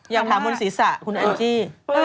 อยากถามวันศรีษะคุณอัลยี่